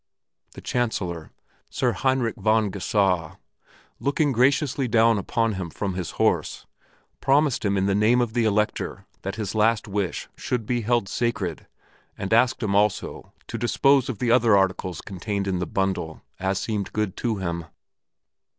The Chancellor, Sir Heinrich von Geusau, looking graciously down upon him from his horse, promised him in the name of the Elector that his last wish should be held sacred and asked him also to dispose of the other articles contained in the bundle, as seemed good to him.